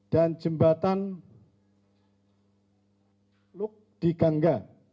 dan jembatan luk diganga